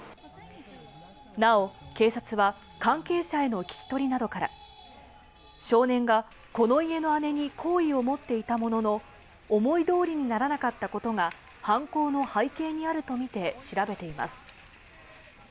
なお警察は関係者への聞き取りなどから、少年がこの家の姉に好意を持っていたものの、思い通りにならなかったことが犯行の背景にあるとみて調べています。